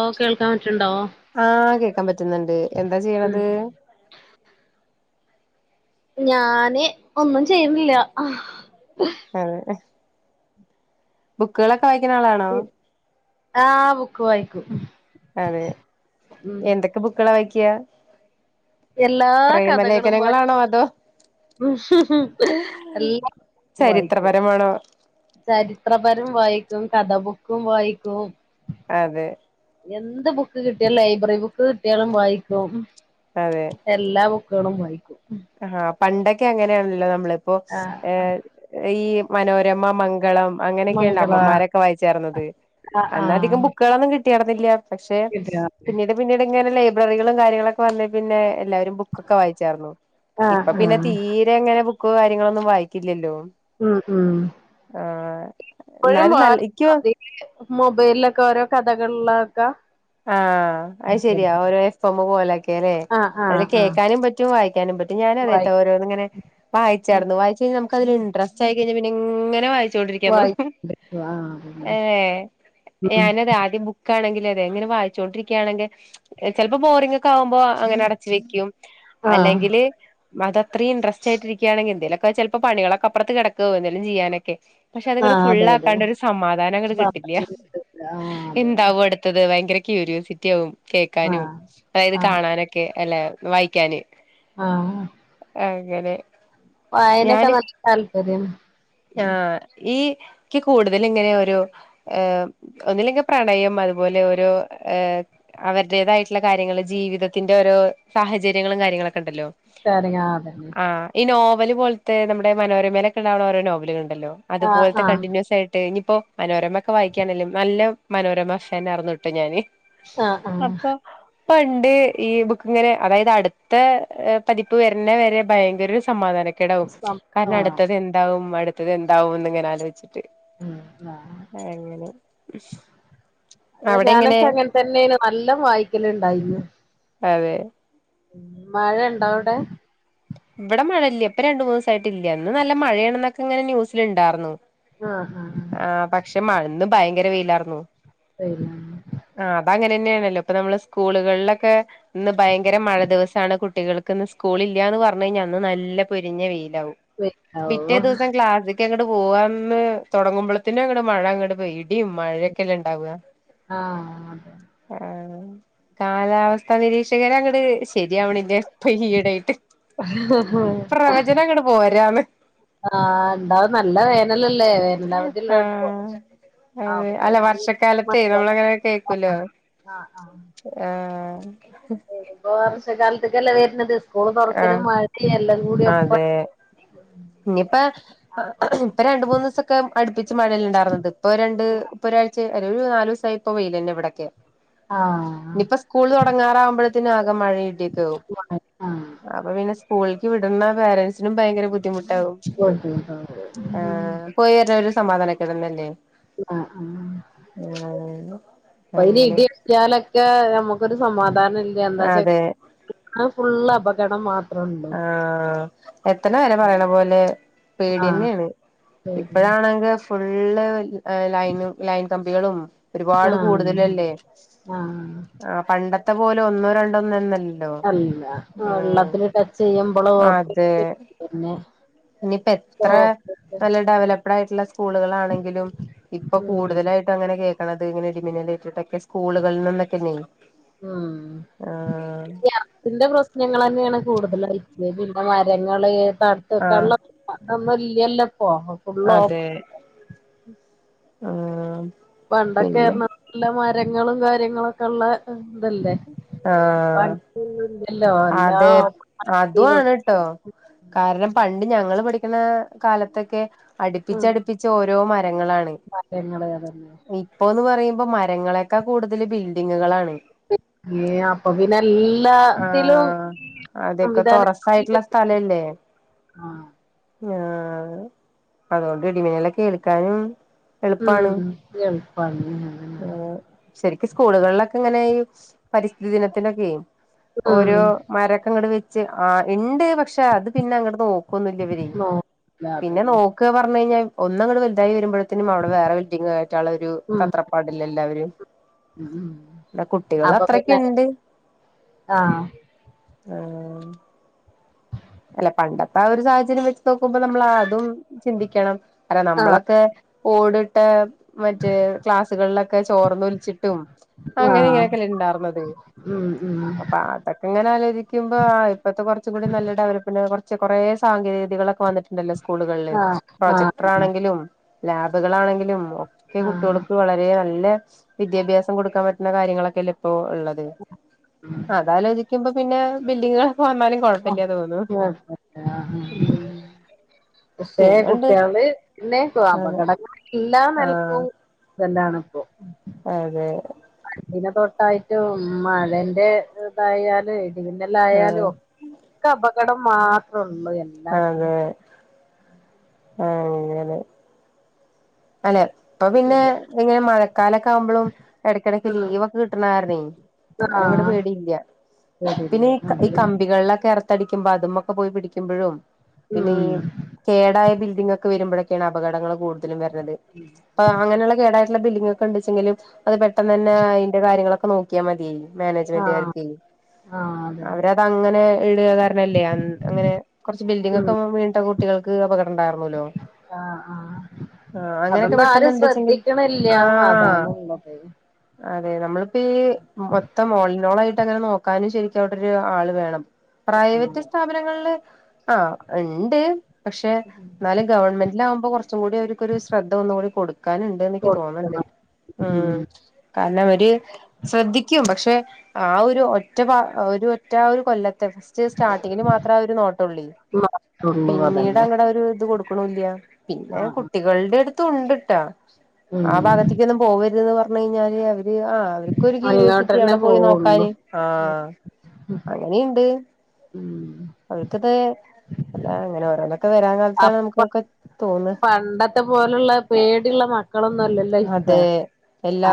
ഓ കേൾക്കാൻ പറ്റ്ണ്ടോ ആ കേക്കാൻ പറ്റുന്ന്ണ്ട് എന്താ ചെയ്യ്ണത് ഉം ഞാന് ഒന്നും ചെയ്യുന്നില്ല ആ ബുക്ക്കള യിക്കണാളാണോ ആ ബുക്ക് വായിക്കും അതെ ഉം എന്തൊക്കെ ബുക്കള വായി ക്ക്യ എല്ലാ കഥകളും വാ അതോ ഹ്ഉം എല്ലാ വായിക്കും ചരിത്രപരമാണോ ചരിത്രപരം വായിക്കും കഥബുക്കും വായിക്കും അതെ എന്ത് ബുക്ക് കിട്ടിയാലും ലൈബ്രറി ബുക്ക് കിട്ടിയാലും വായിക്കും എല്ലാ ബു കളും വായിക്കും ആ പണ്ടൊക്കെ അങ്ങനെയാണല്ലോ നമ്മള് പ്പൊ സ് ആഹ് ഏ ഈ മനോരമ മംഗളം അങ്ങനെയൊക്കെയല്ല മംഗള അമ്മമാരൊക്കെ വായിച്ചേർന്നത് ആഹ് അന്നധികം ആഹ് ബുക്കളൊന്നും കിട്ട കെടന്നില്ല പക്ഷെ കിട്ടിയതല്ലേ പിന്നീട് പിന്നീട് ഇങ്ങനെല്ലേ റീലുകളും കാര്യങ്ങളൊക്കെ വന്നെ പിന്നെ എല്ലാവരും ബുക്കൊക്കെ വായിച്ചായിരുന്നു ഇപ്പൊ ആഹ് പിന്നെ ആഹ് തീരെ എങ്ങനെ ബുക്ക് കാര്യങ്ങളൊന്നും വായിക്കില്ലല്ലോ ഉം ഉം ആഹ് ഇപ്പോഴും വ എന്നാലും നല്ല ഇക്ക് മൊബൈലിലൊക്കെ ഓരോ കഥകളിലൊക്കെ ആഹ് അത് ശരിയാ ഓരോ [unintelligible] പോലൊക്കെ അല്ലേ ആഹ് അതില് ആഹ് ആഹ് കേൾക്കാനും പറ്റും വായിക്കാനും പറ്റും ഞാനും വായി അതേട്ടോ ഓരോന്നിങ്ങനെ വായിച്ചാരുന്നു വായിച്ച് കഴിഞ്ഞ ന [inaudible] ച്ചായി കഴിഞ്ഞാ പിന്നെങ്ങനെ വായിച്ചോണ്ടിരിക്കാൻ വായി തോന്നും ആഹ് അതന്നെ ഏ ഉം ഞാനൊരാദ്യം ബുക്കാണെങ്കിൽ ഇങ്ങനെ വായിച്ചോണ്ടിരിക്കുകയാണെങ്കിൽ ചിലപ്പോ ബോറിങ്ങൊക്കെ ആകുമ്പോ അങ്ങനെ അടച്ച് വെക്കും ആഹ് അല്ലെങ്കില് അതത്രെ ഇൻട്രസ്റ്റ് ആയിട്ടിരിക്കുകയാണെങ്കിൽ എന്തേലൊക്കെ ചിലപ്പോ പണികളൊക്ക അപ്പുറത്ത് കിടക്കാവും എന്തേലും ചെയ്യാനൊക്കെ പക്ഷെ അതങ്ങട്ട് ആഹ് അതെ അതെ ഫുള്ളാക്കാണ്ട് ഒരു സമാധാനം അങ്ങട്ട് ആഹ് കിട്ടില്ല അതന്നെ എന്താവും അടു അത് ഭയങ്കര ക്യൂരിയോസിറ്റി ആവും കേൾക്കാനും ആഹ് അതായത് ആഹ് കാണാനൊക്കെ അല്ലേ വായിക്കാന് ആഹ് അങ്ങനെ അയനൊക്കെ ഞാന് നല്ല താല്പര്യം ആഹ് ഈ ക്ക് കൂടുതൽ ഇങ്ങനെ ഒരു ങ് ഒന്നില്ലങ്കി പ്രണയം അ അതുപോലെ ഓരോ ഹ് അവരുടേതായിട്ടുള്ള കാര്യങ്ങൾ ജീവിതത്തിന്റെ ഓരോ സാഹചര്യങ്ങളും കാര്യങ്ങളൊക്കെ ഉണ്ടല്ലോ ശരിങ്ങ അതന്നെ ആഹ് ഈ നോവല് പോലത്തെ നമ്മുടെ മനോരമേലക്കെ ഉണ്ടാവുന്ന നോവലുകളണ്ട് ണ്ടല്ലോ ആഹ് അതുപോലെ ആഹ് കണ്ടിന്യൂസ്‌ ആയിട്ട് ഇ ഇപ്പോ മനോരമ ഒക്കെ വായിക്കുകയാണെങ്കിലും നല്ല മനോരമ താന ഇറന്നിട്ട് ഞാന് ആഹ് ആഹ് ഇപ്പ ഉണ്ട് ഈ ബുക്ക് ഇങ്ങനെ അതായത് അടുത്ത പതിപ്പ് വരുന്ന വരെ ഭയങ്കര സമാധാനം ക്കെടും സം കാരണം ആഹ് അടുത്തത് എന്താവും അടു റ്റത് എന്താവുന്ന് ഇങ്ങെന ആലോചിച്ച് റ്റ് ഉം ആഹ് അങ്ങനെ അതെ അവിടെ എങ്ങനെ ഞാനൊക്കെ അങ്ങനെ തന്നെനു നല്ലം വായിക്കലുണ്ടായിന്ന് അതെ ഉം മഴ ഉണ്ടോ അവിടെ ഇപ്പ രണ്ട് മൂന്ന് ദിവസായിട്ടില്യ ഇന്ന് നല്ല മഴയണന്നൊക്കെ ഇങ്ങനെ ന്യൂസിൽ ഉണ്ടായിരുന്നു ആഹ് ഹാ ആ [unintelligible] ഭയങ്കര വെയിലായിർന്നു [inaudible] ന്നേണല്ലോ ഇപ്പം നമ്മള് സ്കൂളുകളിലൊക്കെ ഇന്ന് ഭയങ്കര മഴ ദിവസാണ് കുട്ടികൾക്ക് ഇന്ന് സ്കൂൾ ഇല്ലന്ന് പറഞ്ഞു കഴിഞ്ഞാൽ അന്ന് നല്ല പൊരിഞ്ഞ വെയി ലാവും ഓ പിറ്റേ ദിവസം ക്ലാസ് ക്ക്യ അങ്ങട് പോവാന്ന് തുടങ്ങുമ്പൊള്ത്തിന് അങ്ങട് മഴ അങ്ങട് പെയ്യ ഇടിയും മഴയക്കല്ലേ ഇണ്ടാവാ ആഹ് അതെ കാലാവസ്ഥാ നിരീക്ഷകര് അങ്ങട്ട് ശരിയാവ്ണില്ല ഇപ്പൊ ഈയിടയായിട്ട് അതെ പ്രവചന അങ്ങട് പോരാന്ന് ആഹ് ഇണ്ടാവും നല്ല വേനല ആഹ് അതെ അപ്പൊ അല്ല ഇനി വർഷക്കാലത്തേ നമ്മള അങ്ങനെ ആഹ് കേക്കൂലോ ആഹ് ആഹ് ആ വർഷക്കാലത്തേക്ക് അല്ലേ വരുന്നത് സ്കൂൾ തുറക്കലും മഴിം എല്ലം കൂടി ഒപ്പം അതെ ഇനിയിപ്പ ഇപ്പൊ രണ്ടുമൂന്നു ദിവസൊക്കെ അടുപ്പി ച്ച് മഴല്ല ഉണ്ടായിർന്നത് ഇപ്പൊ രണ്ട് ഇപ്പൊ ഒരാഴ്ച ഏതായാലും ഒരു നാലൂസായി ഇപ്പോ വെയിലന്നെ ഇവിടൊക്കെ ആഹ് ഇനിപ്പോ സ്കൂള് തുടങ്ങാറാവുമ്പോഴ്ത്തിനും ആകെ മഴിം ഇടിം ആവും ആഹ് അപ്പം പിന്നെ സ്കൂൾ ക്ക് വിടുന്ന പേരൻസ് നും ഭയങ്കര ബുദ്ധിമുട്ടാവും ബുദ്ധിമുട്ടാവും. ആ ഉം. പോയി വര്നവരെ സമാധാനക്കേടന്നല്ലേ ആ ആ ഇപ്പൈനി അങ്ങനെ ഇടിവെട്ടിയാലൊക്കെ ഞമ്മ ക്കൊര് സമാധാനം [unintelligible] എന്താ [unintelligible] അതെ കേൾക്കണ ഫുൾ അപ കടം മാത് ആ എത്തിനെ വരെ പറയണ പോലെ ആഹ് പേടന്നെയാണ് ശരി ഇപ്പഴാണെങ്കിൽ ഫുള്ള ഫുള്ള് ലൈ ലൈൻകമ്പികളും ഒരുപാട് ആഹ് കൂടുതലല്ലേ ആഹ് ആ പണ്ട ഇ പോലെ ഒന്നോ രണ്ടൊന്നോ എന്നല്ല അല്ല വെള്ളത്തിലിട്ട ചെയ്യുമ്പോള് ആ അതെ ഇനിയിപ്പ എത്ര ചോക്ലേറ്റ് നല്ല ഡെവലപ്ഡ് ആയിട്ടുള്ള സ്കൂളുകളൾാണെങ്കിലും ഇപ്പൊ ഉം കൂടുതലായിട്ടും അങ്ങനെ കേൾക്കണത് ഇങ്ങനെ ഇടിമിന്നലറ്റിട്ടൊക്കെ സ്കൂളുകളിൽ നിന്നൊക്കെ നെയ ആ എറത്തിന്റെപ്രശ്നങ്ങൾ തന്നെയാണ് കൂടുതൽ ലൈറ്റ് പിന്നെ മരങ്ങള് ആഹ് [unintelligible] എല്ല ഫുള്ളഓഫ് ആഹ പണ്ടൊക്കെറ [unintelligible] രങ്ങളും കാര്യങ്ങളൊക്കെള്ളെ ആ ഇല്ലല്ലോ എല്ലാം അതെ അതു ഓപ്പണാക്കി ആണ് വെട്ടി ട്ടോ കാരണം പണ്ട് ഞങ്ങള് പഠി ക്ക്ണ കാലത്തെക്കെ ഉം അട്പ്പിച്ചട്പ്പിച്ചോരോ മരങ്ങളാണ് മരങ്ങള് അതന്നെ ഇപ്പോന്ന് പറയ് പ്പം മരങ്ങളെക്കാ കൂട്തല് ബിൽഡിങ്ങ്കളാണ് ഏ അപ്പൊ പിന്നെ തില്ലാത്തിലും ആഹ് അതൊക്കെ സംവിധാന തൊറസായിട്ടുള്ള [unintelligible] ആ ആ അതോണ്ട് ഇടിമിന്നലൊക്കേൽക്കാനും ഉം എൾപ്പാണ് ഞാനതന്നാപർഞ്ഞെ സ്കൂൾകൾലൊക്കെങ്ങനെ ഈ പരിസ്ഥിതി ദിനത്തിലൊക്കെ ഉം ഓരോ മരക്കങ്ങട് വെ ച്ച് ആ ഇണ്ട് പക്ഷെ അത് പിന്നെ അങ്ങട് നോക്കാെന്നുംല്ലെവരെ നോക്കില്ല പിന്നെ അതന്നെ നോക്ക പർഞ്ഞയ്ഞ്ഞാ ഒന്നങ്ങട് വെൽതായിവെ ത്തിനും മാണം വേറെ ബിൽഡിംഗ് കേറ്റാള്ളൊരു ഉം തത്രപ്പാടില് ലെല്ലാവരും ഉം ഉം കുട്ടികളത്രക്ക്ണ്ട് ആ ഏ അല്ലെ പണ്ടത്തെ ആ ഒരു സാഹചര്യം വെച്ച് നോക്കുമ്പോ നമ്മൾ അതും ചിന്തിക്കണം അല്ല ആഹ് നമ്മളൊക്കെ ഓടിട്ട മറ്റേ ക്ലാസ്സുകളിലൊക്കെ ചോർന്നൊലിച്ചിട്ടും അങ്ങനെ ആഹ് ഇങ്ങനെയൊക്കെല്ല ഉണ്ടായിർുന്നത് ഉം ഉം അപ്പൊ അതൊക്കെ ഇങ്ങനെ ആലോചിക്കുമ്പോ ഇപ്പത്തെ കുറച്ച കൂടി നല്ല ഡവല കുറച്ച് കുറെേ സാങ്കേതികികളൊക്കെ ഒ ണ്ടല്ലോ സ്കൂളുകളില് ആഹ് ആഹ് പ്രൊജക്ടറാണെങ്കിലും ലാബുകളാണെങ്കിലും ഒക്കെ ആഹ് കുട്ടികൾക്ക് വളരെ നല്ല വിദ്യാഭ്യാസം കൊടുക്കാൻ പറ്റുന്ന കാര്യങ്ങളൊക്കെല്ല ഇപ്പോ ഉള്ളത് അതലോചിക്കുമ്പോ പിന്നെ ബില്ലി ഇപ്പ വന്നാലും കുഴപ്പയില്ല തോന്നുന്നു [unintelligible] പക്ഷേ പിന്നെണ്ട് കുട്ടികള് പിന്നെക്ക അപകടങ്ങ ഇല്ലാ ആഹ് നൽക്കും [unintelligible] എന്താണിപ്പോൾ അതെ പിന്നെ തൊട്ടായിട്ടും മഴന്റെ ഇതായാല് ആഹ് മിന്നൽയായലോക്കെ നമ്മ കടം മാത്ര നമ്മ എന്നാ ചെയ്യും ആഹ് അങ്ങനെ അല്ലെ ഇപ്പൊ പിന്നെ ഇങ്ങനെ മഴക്കാലൊക്കെ ആകുമ്പളും ഇടെക്ക്ടെക്ക് ആഹ് ലീവൊക്കെ കിട്ടണാരുന്നേ അങ്ങനെ ഇങ്ങട് ആഹ് പേടിയില്ല പിന്നെ ശരില്ലേ ഈ ഈ അതെ കമ്പികളിലൊക്കെ ഇറ തടിക്കുമ്പോ അതുമൊക്കെ പോയി പിടിക്കുമ്പോഴും പിന്നെ ഉം ഈ കേടായ ബി ങ്ങക്ക് വരുമ്പഴാണ് അപകടങ്ങള് കൂടുതലും അങ്ങനെള്ള കേ ബില്ലിഡിങ്ങക്കെ ഉണ്ടിച്ചെങ്കിലും അത് പെട്ടെന്ന് തന്നെ അതിന്റെ കാര്യങ്ങളൊ ഒക്ക നോക്കിയാ മതിയെനി ആഹ് മാനേജ്മെൻറ്കാർക്ക് ആഹ് അതെ അവരഅത അങ്ങനെ ഇടുക കാരനല്ലേ അങ്ങനെ കൊറച്ച് ബിൽഡിങ്ങ് ഉം ഒക്കെ വീണിട്ട് കുട്ടികൾക്ക് അപകടം ഉണ്ടാരുന്നല്ലോ ആഹ് ആഹ് ആ അങ്ങനെയൊക്കെ അതൊന്നും ആരും പെട്ടെന്ന്ണ്ടച്ചെങ്കിൽ ശ്രദ്ധിക്കണില്ല ആ അതാണ്ള്ളത് അതെ നമ്മ ഇപ്പ മൊത്തം ഓളിന്നോളായിട്ട് അങ്ങനെ നോക്കാനും ശരിക്കും അവിടെ ഒരു ആള് വേണം പ്രൈവറ്റ് സ്ഥാപനങ്ങളില് ആഹ് ണ്ട് പക്ഷെ എന്നാലും ഗവൺമെന്റിൽ ആകുമ്പോൾ കുറച്ചും കൂടി ഒരു ഒരു ശ്രദ്ധ ഒന്നുകൂടി കൊടു ക്കാനുണ്ട്ന്ന് ക്ക് തോന്നണ്ട് കൊടുക്കണം ഉം കാരണം അവര് ശ്രദ്ധിക്കും പക്ഷെ ആ ഒരു ഒറ്റ ഒരു ഒറ്റ ആ ഒരു കൊല്ല ഫസ്റ്റ് സ്റ്റാർട്ടിങ്ങന് മാത്ര ഒരു നോട്ടുള്ളി മാത്രള്ളൂ പിന്നീട് അതന്നെ അങ്ങടെ ഒര് ഇത് കൊടുക്ക ഇപ്പളൂല്ല. പിന്നെ ആഹ് കുട്ട് രണ്ടെടത്തും ഉണ്ട്ട്ടാ ആ ഉം ഭാഗത്തേക്കൊന്നും പോവര്ത് ന്ന് പറ ണ് കിഞ്ഞാല് അവ ആഹ് അവർക്കൊര് ക്യുരൊസിറ്റി അങ്ങോട്ടന്നെ അവിടെ പോയി പോവുള്ളു നോക്കാന് ആ അങ്ങനെയുണ്ട് ഉം അവർക്കത് അങ്ങനെ ഓരോ ഒക്കെ വരാൻ കാലത്താണ് നമക്ക്ക്കെ തോന്നാ ത്തെ പോലുള്ള പേടിയ്ള്ള മക്ക് മക്കളൊന്നും അല്ലല്ലോ ഇപ്പാ അതെ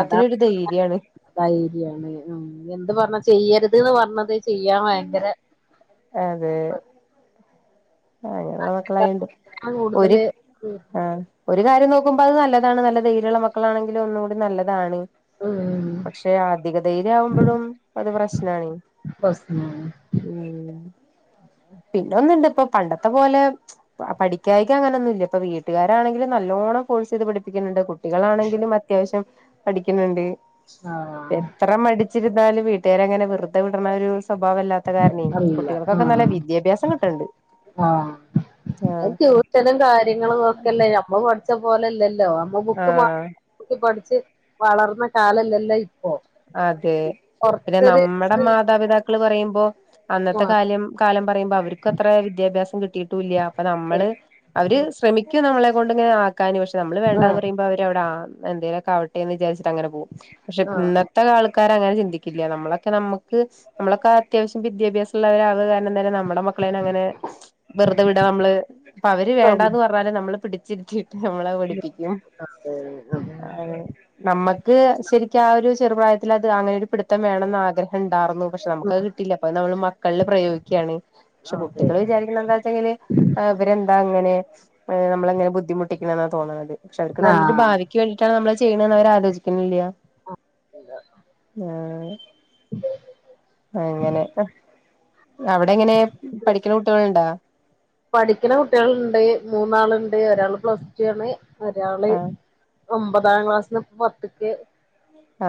അതാ ഒരു [unintelligible] ധൈര്യാണ് ധൈര്യാണ് ഉം എന്ത് പറഞ്ഞാ ചെയ്യരു ണ്ട്ന്ന് പറഞ്ഞത് ചെയ്യാൻ ഭയങ്കര ആ അങ്ങനെയുള്ള മക്കളായോണ്ട് ഒരു കൂടുതല് ഉം ആഹ് ഒരു കാര്യം നോക്കുമ്പോ അത് നല്ലതാണ് നല്ല ധൈര്യള്ള മക്കളാണെങ്കില് ഒന്നൂടി നല്ലതാണ് ഉം പക്ഷെ അധിക ധൈര്യ ആവുമ്പോഴും അത് പ്രശ്നാണേ പ്രശ്നാണ് ഉം പിന്നെ ഒന്ന് ഇണ്ട് പണ്ടത്തെ പോലെ പഠിക്കായികാ അങ്ങനെന്നുല്ല ഇപ്പ വീട്ടുകാരാണെങ്കിലും നല്ലോണ്ണം ഫോഴ്സ് ചെയ്ത് പഠിപ്പിക്കുന്നുണ്ട് കുട്ട് കുട്ടികളാണെങ്കിലും അത്യാവശ്യം പഠിക്കുന്നുണ്ട്. ആഹ് എത്ര മടിച്ചിരുന്നാലും വീട്ട് വീട്ട്കാര് അങ്ങനെ വെറുതെ വിടണ ഒരു സ്വഭാവം അല്ലാത്ത കാരണേ അറിയില്ല കുട്ടികൾക്കൊക്കെ നല്ല ആഹ് വിദ്യാഭ്യസം കിട്ടുന്നുണ്ട് ആഹ് അഹ് ട്യൂഷനും കാര്യങ്ങളും ഒക്കെല്ലേ ഞമ്മള് പഠിച്ച [unintelligible] പോലെ അല്ലെ ല്ലൊ അമ്മള് ബുക്ക് മാ ആഹ് [unintelligible] പഠി ച്ച്‌ വളർന്ന കാലല്ലല്ലൊ അഹ് അതെ പിന്നെ നമ്മടെ ഇത് മാതാപിതാക്കള് പറയ്മ്പോ അന്നത്തെ ആഹ് കാല്യം കാലം പറയുമ്പോ അവർക്കും അത്ര വിദ്യാഭ്യാസം കിട്ടിയിട്ടുല്ല്യാ അപ്പ ശരി. നമ്മള് അവര് ശ്രമിക്കും നമ്മളെ കൊണ്ട്ങ്ങനെ ആ ക്കാന് പക്ഷേ നമ്മള് വേണ്ടാന്ന് ആഹ് പറയ്മ്പം അവര് അവിട ആഹ് എന്തേലൊക്കാവട്ടെന്ന് വിചരിച്ചു ട്ടങ്ങനെ പോകും പക്ഷേ ആഹ് ഇന്നത് [unintelligible] ആൾക്കാരങ്ങനെ ചിന്തിക്കില്ല നമ്മളൊക്കെ നമുക്ക് നമ്മളൊക്കെ അത്യാവശ്യം വിഭ്യാസുള്ള [unintelligible] നമ്മുടെ മക്കളെ അങ്ങനെ വെറുതെ വിടാം നമ്മള് അവര് വേണ്ടാന്ന് സമ്മതിച്ചു. പറഞ്ഞാലും നമ്മള് പിടി ചിരിച്ച് നമ്മളെ പഠിപ്പിക്കും അതെ അതെ ആ നമ്മക്ക് ശരിക്കും ആ ഒരു ചെറുപ്രായത്തിൽ അത് അങ്ങനൊരു പിട് ത്തം വേണന്ന് ആഗ്രഹം ഉണ്ടാർന്നു പക്ഷേ നമുക്കത് കിട്ടില്ല അപ്പത് നമ്മള് മക്കളില് പ്രയോഗിക്കുകയാണ് പക്ഷേ അതെ കുട്ടികൾ വിചാരിക്കുന്നത് എന്താ വെച്ചെല് ഇവരെന്താ അങ്ങനെ നമ്മളങ്ങനെ ബുദ്ധിമുട്ടിക് പിന്നന്ന തോന്നണത് പക്ഷേ അവർക്ക് നല്ലരു ആഹ് ഭാവിയ്ക്ക് വേണ്ടിട്ടാണ് നമ്മളത് ചെ ചെയ്യണന്ന് അവര് ആലോചിക്കണില്ല ആ അങ്ങനെ അവിടെ എങ്ങനെ പഠിക്കണ കുട്ടികൾണ്ടാ പഠിക്കുന്ന കുട്ടികളുണ്ട് മൂന്നാളുണ്ട് ഒരാള് പ്ലസ് ടു ആണ് ഒരാള് ആഹ് ഒമ്പതാം ക്ലാസ്സിന് പ്പത്ത്ക്ക് ആ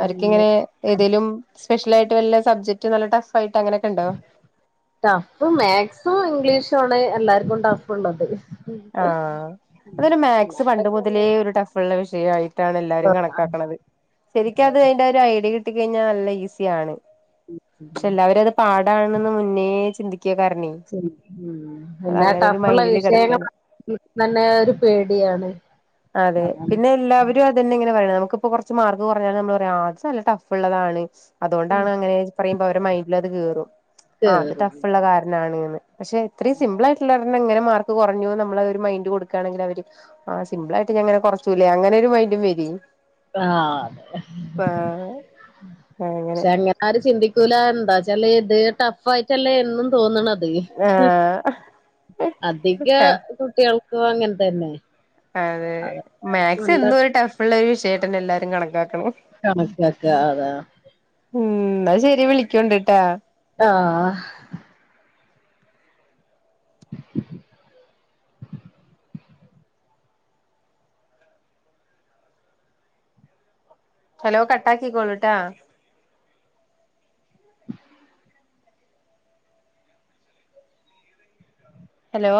അവർക്കിങ്ങനെ ഏതേലും സ്പെഷ്യലായിട്ട് വല്ല സബ്ജക്ട്ട് നല്ല ടഫ് ആയിട്ട് അങ്ങനെയൊക്കെ ഉണ്ടോ ടഫ് മാക്സും ഇംഗ്ലീഷ് ട്ടുള്ളെ എല്ലാവർക്കും ട്ടഫുള്ളത് ആ അതൊരു മാക്സ് പണ്ട് മുതലേ അല്ലാത്തൊക്കെല്ലേ ഒരു ടഫ്ള്ള വിഷയ ഷയായി ട്ടാണ് എല്ലാരും കണക്കാക്കുന്നത് ശരിക്ക് അത് അയിന്റെരു ഐടി കി ത്തി കഴിഞ്ഞാൽ നല്ല ഈസിയാണ് ക്ഷെ ഉം എല്ലാവരും അത് പാടണന്ന് മുന്നേ ചിന്തിക്ക കാരണേ അത് അങ്ങനെ ഒരു മൈൻഡില് കെടക്കാണ് ഉം തന്നെ ഒരു പേടിയാണ് അതെ അതാണ് പിന്നെ എല്ലാവരും അതന്നെ ഇങ്ങനെ പറനോ ഇക്ക് ഇപ്പോ കുറച്ച് മാർക്ക്‌ കുറഞ്ഞൽ നമ്മള് പറയും അത് നല്ല ടഫ്ള്ളതാണ് അതുകൊണ്ടാണ് അങ്ങനെ പറയുമ്പോ അവരുടെ മൈൻഡില് അത് കേറും ആ അത് കേറും ടഫ്ള്ള കാരണാണ്ന്ന് പക്ഷേ എത്രി സിമ്പിൾ ആയിട്ടുള്ളാണ് അങ്ങനെ മാർക്ക് കുറഞ്ഞു നമ്മള് ഒരു മൈൻഡ് കൊടുക്കയാണെങ്കിൽ അവര് ആ സിമ്പിളായിട്ട് ഞ ങ്ങനെകുറച്ചുല്ലേ അങ്ങനെ ഒരു മൈഡും വരെ ആ അതെ അങ്ങനെ ക്ഷെ അങ്ങനാരും ചിന്തി തൂല എന്താച്ചാൽ ഇത് ടഫ് ആയിട്ടല്ലേ എന്നും തോന്നണ ആ അധിക കുട്ടികൾക് ക്കും അങ്ങന തന്നെ അതെ അതൊക്കെ മാത്‌സ് നല്ല എന്നുമൊരു ടഫുള്ള ഒരു വിഷയായിട്ടെന്നെ എല്ലാരും ട്ടും കണക്കാക് കണകാക്ക അതാ ഉം അയ്ശെരിയാ വിളിക്കോണ്ടിട്ടാ ആഹ് ഹലോ കട്ടാക്കിക്കൊള്ളൂട്ടാ ഹലോ